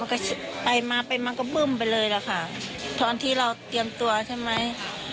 ก็ไปมาไปมาก็บึ้มไปเลยล่ะค่ะตอนที่เราเตรียมตัวใช่ไหม